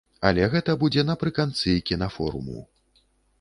Але гэта будзе напрыканцы кінафоруму.